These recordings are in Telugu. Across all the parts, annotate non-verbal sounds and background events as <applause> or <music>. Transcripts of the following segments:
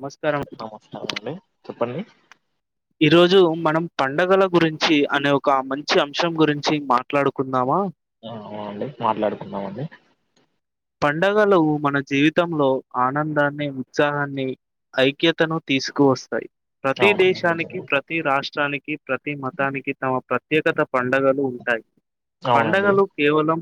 నమస్కారం నమస్కారం అండి చెప్పండి ఈరోజు మనం పండగల గురించి అనే ఒక మంచి అంశం గురించి మాట్లాడుకుందామా అవునండి మాట్లాడుకుందాం అండి పండగలు మన జీవితంలో ఆనందాన్ని ఉత్సాహాన్ని ఐక్యతను తీసుకు వస్తాయి ప్రతి అవునండి దేశానికి నిజమే ప్రతి రాష్ట్రానికి ప్రతి మతానికి తమ ప్రత్యేకత పండుగలు ఉంటాయి అవునండి పండగలు కేవలం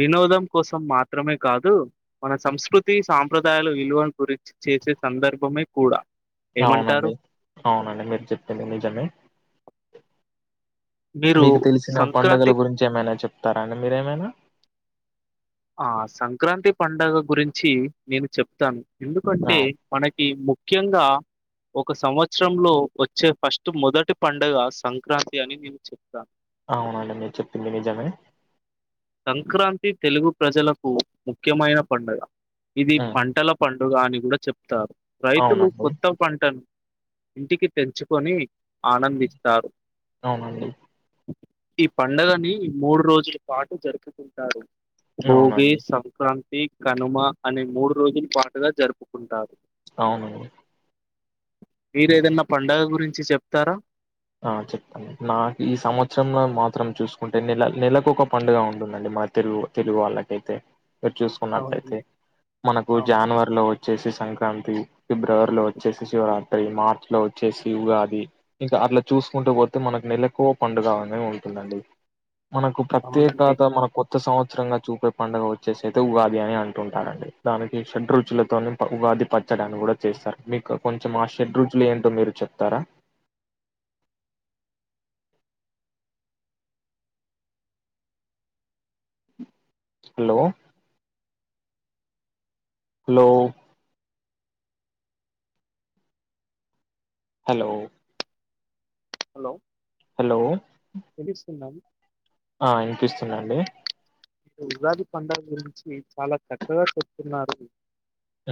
వినోదం కోసం మాత్ర మాత్రమే కాదు మన సంస్కృతి సా సాప్రదాయాల విలువ గురించి చేసే సందర్భమే కూడా అవునండి ఏమంటారు అవునండి మీరు చెప్పింది నిజమే మీరు మీకు తెలిసిన సంక్రాంతి పండుగల గురించి ఏమైనా చెప్తారా అండి మీరేమైనా ఆ సంక్రాంతి పండుగ గురించి నేను చెప్తాను ఆ ఎందుకంటే మనకి ముఖ్యంగా ఒక సంవత్సరంలో వచ్చే ఫస్ట్ మొదటి పండుగ సంక్రాంతి అని నేను చెప్తాను అవునండి మీరు చెప్పింది నిజమే సంక్రాంతి తెలుగు ప్రజలకు ముఖ్యమైన పండుగ ఇది ఉమ్ పంటల పండుగ అని కూడా చెప్తారు రైతులు అవునండి కొత్త పంటను ఇంటికి తెంచుకొని ఆనందిస్తారు అవునండి ఈ పండుగని మూడు రోజుల పాటు జరుపుకుంటారు భోగి అవునండి సంక్రాంతి కనుమ అనే మూడు రోజుల పాటుగా జరుపుకుంటారు అవునండి మీరు ఏదన్నా పండుగ గురించి చెప్తారా ఆ చెప్పుతా నాకు ఈ సంవత్సరం సం ల మాత్రం చూసుకుంటే నెల నెలకు ఒక పండుగ ఉంటుందండి మ తెలుగు తెలుగు వాళ్ళకైతే మీరు చూసుకున్నట్లయితే అవునండి మనకు అవును జనవరిలో వచ్చేసి సంక్రాంతి ఫిబ్రవరిలో వచ్చేసి శివరాత్రి మార్చి లో వచ్చేసి ఉగాది ఇంకా అట్లా చూసుకుంటూ పోతే మనకు నెలకు ఒక పండుగ అనే ఉంటుందండి మనకు అవునండి ప్రత్యేకత మన కొ కొత్త సంవత్సరంగా చూపే పండుగ వచ్చేసి అయితే ఉగాది అని అంటుంటారండి దానికి షడ్ రుచులతోని బహుగా ఉగాది పచ్చడి అని కూడా చేస్తారు మీకు కొంచెం ఆ షడ్రురుచులు ఏంటో మీరు చెప్తారా hello hello hello hello hello వినిపిస్తుదం ఆ వినిపిస్తుందండి ఉగాది పండగ గురించి చాలా చక్కగా చెప్తున్నారు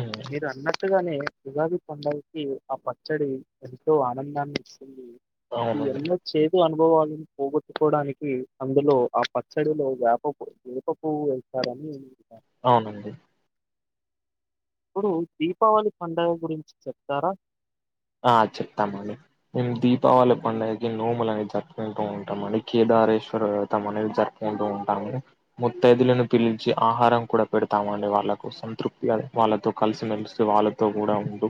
ఉమ్, మీరు అన్నట్టుగానే ఉగాది పండగకి ఆ పచ్చడి ఎంతో ఆనందాన్ని ఇచ్చింది ఇది అవునండి ఎన్న చె అనుభవాలను పోగొట్టుకోవడానికి అందులో ఆ పచ్చడిలో వేప పూ వేప పువ్వు వేస్తారని అవునండి ఇప్పుడు దీపావళి పండుగ గురించి చెప్తారా ఆ చెప్తామండి మేము దీపావళి పండుగకి నోములు అనేది జరుపుకుంటూ ఉంటాం అండి కేద కేదారేశ్వర వ్రతం అనేది జరుపుకుంటూ ఉంటాము ముత్తైదులను పిలిచి ఆహారం కూడా పెడతాము వాళ్ళకు సంతృప్తి వాళ్ళతో కలిసి మేలిసి వాళ్ళతో కూడా ఉండు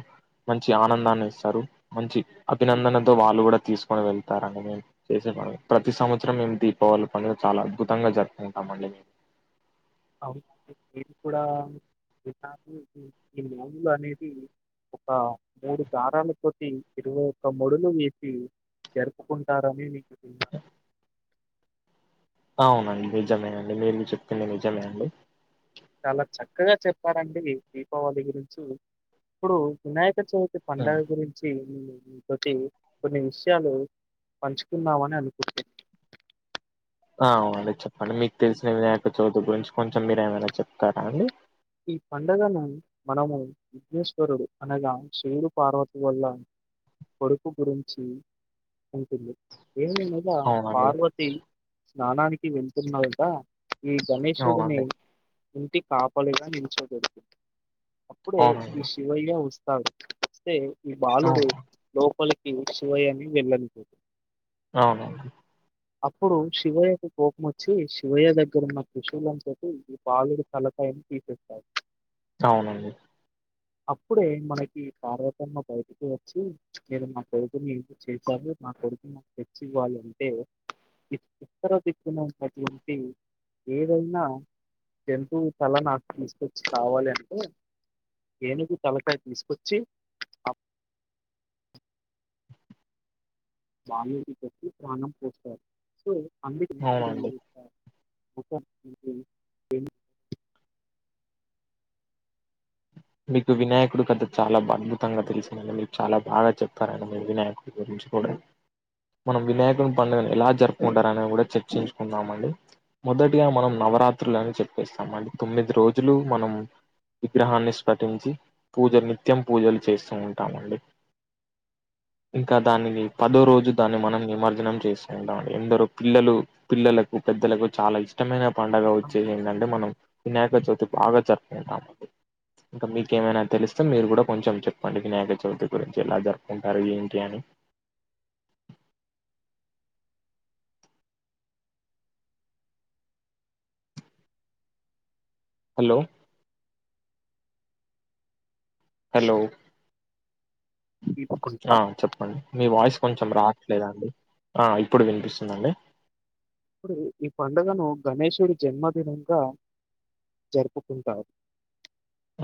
మంచి ఆనందాన్ని ఇస్త టారు మంచి అభినందనతో వాళ్ళు కూడా తీసుకొని వెళ్తారు అండి మే చేసే ప ప్రతి సంవత్సరం దీపావళిపండుగ చాలా అద్భుతంగా జరుపుకుంటామండి మేము అవును నేను కూడా విన్నాను ఈ నోములు అనేది ఒక మూడు దారాలతోటి ఇరవై ఒక్క ముడులు వేసి జరుపుకుంటారని మీకు అ అవునండి నిజమేనండి మీరు చెప్పింది నిజమే అండి చాలా చక్కగా చెప్పారండి దీపావళి గురించి ఇప్పుడు వినాయక్ కా చవితి పండుగ గురించి ఇంకోటి కొన్ని విషయాలు పంచుకున్నామని అనుకుంటున్న అ అవునండి చెప్పండి మీకు తెలిసిన వినాయక చవితి గురించి కొంచెం మీరు ఏమైనా చెప్తారా అండి ఈ పండగను మనము విఘ్నేశ్వరుడు అనగా శివుడు పార్వతి వల్ల కొడుకు గురించి ఉంటుంది ఏమి నెలా అవునండి పార్వతి స్నానానికి వెళ్తున్నాగా ఈ గణేషుడిని అవునండి ఇంటి కాపలిగా నెల్చొబేడుతుంది అప్పుడే అవునండి ఈ శివయ్య వస్తాడు వస్తే ఈ బాలుడు అవును లోపలికి కి శివ్వయనీ వెళ్ళనివ్వడు అవునవును అప్పుడు శివయ్యకు కోపం వచ్చి శివయ్య దగ్గర ఉన్న త్రిశూలం తోటి ఈ బాలుడు తలపైన విసురుతాడు అవునండి అప్పుడే మనకి పార్వతమ్మ బయటికి వచ్చి మీరు నా కొడుకుని చేసారు నా కొడుకు నాకు తెచ్చి ఇవ్వాలి అంతే ఉత్తర దిక్కున ఉన్నటువంటి ఏదైనా జంతువు తల నాకు తీసుకొచ్చి కావాలి అంతే ఏనుగు తలకాయ తీసుకొచ్చి అప్ బాలునీకి పెట్టి ప్రాణం పోస్తారు సో అందుకానే వినాయకుడు అవునండి అని పిలుస్తారు <inaudible> మీకు వినాయకుడు కథ చాలా అద్భుతంగా తెలిసిందండి మీకు చాలా బాగా చెప్తారండి మీరు వినాయకుడి గురించి ఛీ పోడ మనం వినాయకుని పండుగను ఎలా జరుపుకుంటార అనేది కూడా చర్చించుకున్నాము అండి మొదటిగా మనం న నవరాత్రులుని చెప్పేస్తాం అ తొమ్మిది రోజులు మనం విగ్రహాన్ని పాఠంచి పూజ నిత్యం పూజలు చేస్తూ ఉంటామండి ఇంక దాన్ని మి పదో రోజు దాన్ని మనం నిమజ్జనం చేసుకుంటం ఎందరో పిల్లలు పిల్లలకు పెద్దలకు చాలా ఇష్టమైన పండుగ ఏనుగు వచ్చేది ఏంటంటే మనం వినాయక చవితి బాగా జరుపుకుంటాం ఇంక మీకేమైనా తెలుస్తె మీరు కూడా కొంచెం చెప్పండి వినాయక చవితి గురించి ఎలా జరుపుకుంటారు ఏంటి అని హలో హలో తిప్పుకుంటా ఆ చెప్పండి మీ వాయిస్ కొంచెం రా లేదా అండి ఆ ఇప్పుడు వినిపిస్తుందండి ఇప్పుడు ఈ పండుగను గణేషుడి జన్మదినంగా జరుపుకుంటాారు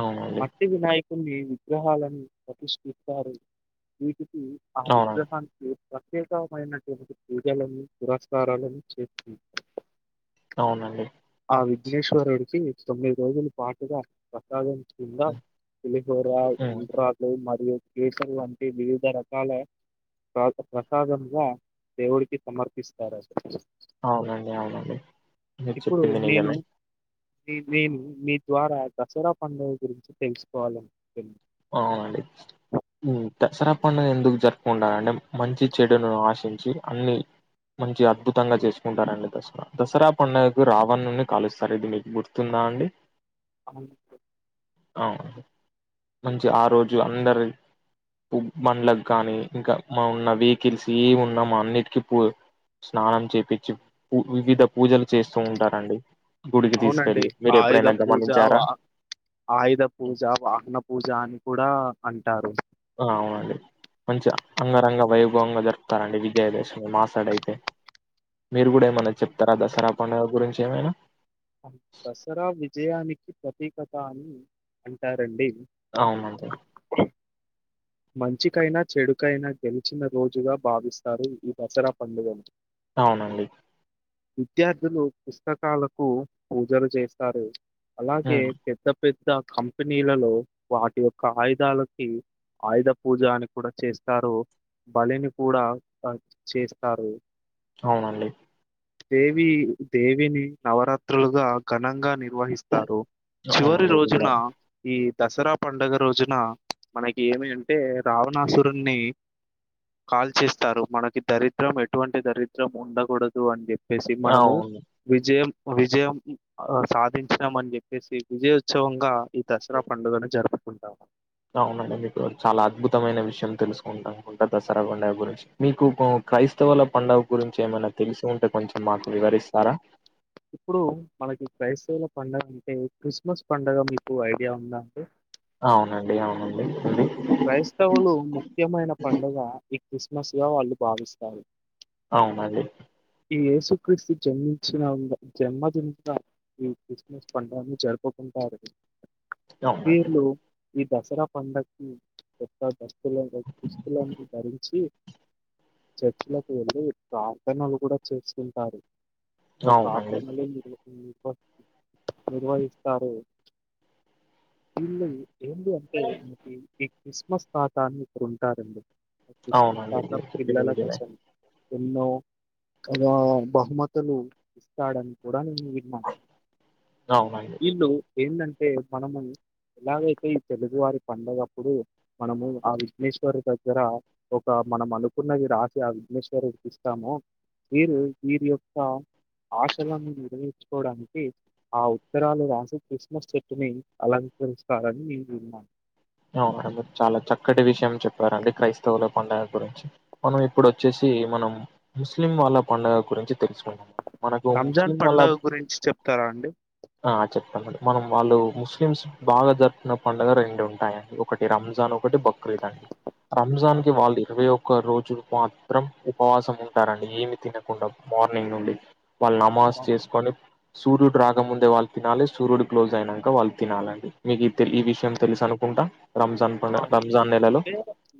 అవునండి మట్టి వినాయకుణ్ణి విగ్రహాలను ప్రతిష్ఠిస్తారు మీకు ఆ అవునండి విగ్రహానికి ప్రత్యేకమైనటువంటి పూజలని పురస్కారాలను చే అవునండి ఆ విఘ్నేశ్వరుడికి తొమ్మిది రోజుల పాటుగా ప్రసాదం ఇంగ పులిహోర ఉమ్, ఉండ్రాళ్ళు మరియు చేస్తరు అంటే వివిధ రకాల తర్వాత ప్రసాదంగ దేవుడికి సమర్పిస్తారు అసలు అవునండి అవునండి మీరు చెప్పింది నిజమే నేనూ నీ ద్వారా దసరా పండుగ గురించి తెలుసుకోవాలనుకుంటున్నా అవునా అండి దసరా పండుగను ఎందుకు జరుపుకుంటారంటే మంచి చెడును ఆశించి అన్ని మంచి అద్భుతంగా చేసుకుంటారండి దసరా దసరా పండుగకు రావణున్ని కాలుస్తారు ఇది మీకు గుర్తుందా అండి గుర్తు అవును మంచి ఆ రోజు అందరు బండ్లకు గాని ఇంకా మ ఉన్న వెహికల్స్ ఏంఉన్న మా అన్నిటికీ పూ స్నానం చేపిచ్చి వివిధ పూజలు చేస్తూ ఉంటారండి గుడికి అవునండి తీసుకెళ్ళి మీరు ఆయుధ ఎప్పుడైనా పూజ గమనించారా వాహనపూజ ఆయుధ పూజ వాహన జ అని కూడా అంటారు ఆ, అవునండి మంచిగా అంగరంగ వైభవంగా జరుపుతారండి విజయ దశమి మాసాడైతే మీరు కూడా ఏమన్నా చెప్తారా దసరా పండుగ గురించి ఏమైనా దసరా విజయానికి ప్రతీకత అని అంటారండి అవునండి మంచికైనా చెడుకైనా గెలిచిన రోజుగా భావిస్తారు ఈ దసరా పండుగను అవునండి విద్యార్థులు పుస్తకాలకు పూజలు చేస్తారు అలాగే హ్మ్. పెద్ద పెద్ద కంపెనీలలో వాటి యొక్క ఆయుధాలకి ఆయుధ పూజ అని కూడా చేస్తారు బలిని కూడా అ చేస్తారు అవునండి దేవి దేవిని నవరాత్రులుగా ఘనంగా నిర్వహిస్తారు చివరి అవునండి. ఇది రోజున కూడా ఈ దసరా పండుగ రోజున మనకి ఏమి అంటే రావణాసురుణి కాల్చిస్తారు మనకి దరిద్రం ఎటువంటి దరిద్రం ఉండకూడదు అని చెప్పి వచ్చేసి మనము అవును. విజయం విజయం సాధించినాం అని చెప్పేసి విజయోత్సవం ఈ దసరా పండుగని జరుపుకుంటాము అవునండి మీకు చాలా అద్భుతమైన విషయం తెలుసుకుంటానుకుంట దసరా పండగ గురించి మీకు క్రైస్తవుల పండగ గురించి ఏమైనా తెలిసి ఉంటే కొంచెం మాకు వివరిస్తారా పండగ అంటే క్రిస్మస్ పండగ మీకు ఐడియా ఉందా అండి అవునండి అవునండి క్రైస్తవులు ముఖ్యమైన పండుగ ఈ క్రిస్మస్గా వాళ్ళు భావిస్తారు. అవునండి ఈ యేసు క్రీస్తు జన్మించిన <unintelligible> జన్మ దూత ఈ క్రిస్మస్ పండగని జరుపుకుం కుంటారు అవునండి ఈ దసరా పండక్కి కొత్త దస్తులన్ దుస్తులన్నీ ధరించి చర్చ్ లకు వెళ్ళి ప్రార్థనలు కూడా చేసుకుంటారు. ఓ అవునండి. పాపము లెందరో ఉమ్ పో నిర్వహిస్తారు వీళ్ళు ఏంది అంటే మనకి ఈ క్రిస్మస్ తాతా అని ఒకరు ఉంటారండి. ఆ క్రిస్మస్ అవునండి. తాత మీరు చెప్పింది పిల్లల నిజమే. కోసం ఎన్నో తన బహుమతులు ఇస్తాడని <unintelligible> <unintelligible> అవునండి. వీళ్ళు ఏంటంటే మనము ఎలాగైతే ఈ తెలుగు వారి పండగప్పుడు మనము ఆ విఘ్నేశ్వరుడు దగ్గర ఒక మనం అనుకున్నది రాసి ఆ విఘ్నేశ్వరడికి ఇస్తాము వీరు వీరి యొక్క ఆశలను నెరవేర్చుకోవడానికి ఆ ఉత్తరాలు రాసి క్రిస్మస్ చెట్టుని అల కొలుస్తారని నేను విన్నా అవునా అండి చాలా చక్కటి విషయం చెప్పారండి క్రైస్తవుల పండగ గురించి మనం ఇప్పుడు వచ్చేస్ సి మనం ముస్లిం వాళ్ళ పండగ గురించి తెలుసుకుందాం మనకి రంజాన్ ముస్లిం వాళ్ళ పండగ గురించి చెప్తారా అండి ఆ చెప్ <unintelligible> మనం వాళ్ళు ముస్లిమ్స్ బాగా జరిపిన పండగ రెండు ఉన్ టాయండి ఒకటి రంజాన్ ఒకటి బక్రీద్ అండి ఆ, రంజాన్కి వాళ్ళు ఇరవై ఒక్ క్క రోజు మాత్రం ఉపవాసం ఉంటారండి ఏమి తినకుండా మార్నింగ్ నుండి వాళ్ళు నమాజ్ చేసుకొని సూర్యుడు రాక ముందే వాళ్ళు తినాలి సూర్యుడు క్లోజ్ అయినాంక వాళ్ళు తినాలండి మీకు తెల్ ఈ విషయం తెలుసను ఆ అంటే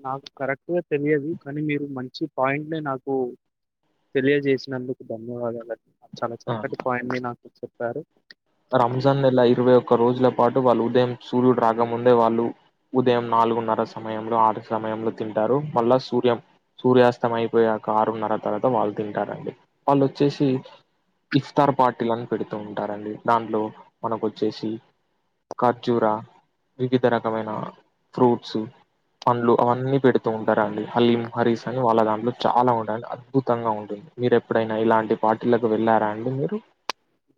నాకు కరెక్ట్ గా తెలియదు కానీ మీరు మంచి పాయింట్ ని నాకు తెలియజేసినందుకు ధన్యవాదాలండ్ చాలా ఆ, చక్కటి పాయింట్ని నాకు చెప్పారు రంజాన్ నెల ఇరవై ఒక్క రోజుల పాటు వాళ్ళు ఉదయం సూర్యుడు రాక ముందే వాళ్ళు ఉదయం నాలుగున్నర సమయంలో ఆరు సమయంలో తింటారు మళ్ళా సూర్యం సూర్యాస్తం అయిపోయాక ఆరున్నర తర్వాత వాళ్ళు తింటారండి వాళ్ళు వచ్చేసి ఇఫ్తార్ పార్టీలనీ పెడుతూ ఉంటారండి దాంట్లో మనకు వచ్చేసి ఖర్జూరా వివిధ రకమైన ఫ్రూట్స్ పండ్లు అవన్నీ పెడుతూ ఉంటారండి కీం హరీస్ అని వాళ్ళ దాంట్లో చాలా ఉంటాయ్ అండి అద్భుతంగా ఉంటాయ్ మీరు ఎప్పుడైనా ఇలాంటి పార్టీలకు వెళ్ళారా అండి మీరు?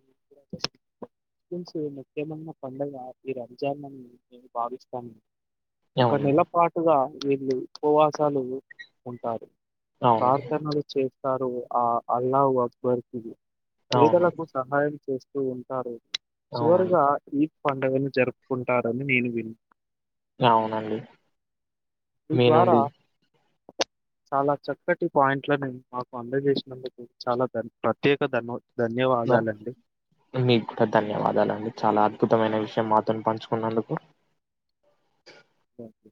<inaudible> <unintelligible> ముఖ్యమైన పండగ ఈ రంజాన్ అని నేను భావిస్తాను ఒక అవును నెల పాటుగా వీళ్ళు ఉపవాసాలు ఉంటారు. అవును పార్థనలు చేస్తారు ఆ అల్లాహు అక్బర్ కి అవును పేదలకు సహాయం చేస్తూ ఉంటారు అవునండి చివరగా ఈ పండగను జరుపుకుంటారని నేను విన్ అవునండి ఈ మీ నుండి ద్వారా <inaudible> చాలా చక్కటి పాయింట్లను మాకు అందజేసినందుకు చాలా ధన్ ప్రత్యేక ధన్యవాద మీకు కూడా ధన్యవాదాలండి చాలా అద్భుతమైన విష్ ను మాతోని పంచుకున్నందుకు థ్యాంక్ యూ